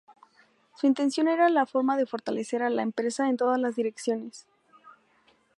Su intención era la de fortalecer a la empresa en todas las direcciones.